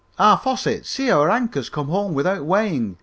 "Ah, Fosset, see, our anchor's come home without weighing.